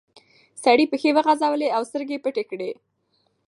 سړي پښې وغځولې او سترګې پټې کړې.